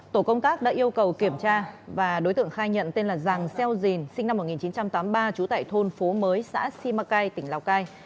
tổ công tác đã yêu cầu kiểm tra và đối tượng khai nhận tên là giàng xeo dìn sinh năm một nghìn chín trăm tám mươi ba trú tại thôn phố mới xã simacai tỉnh lào cai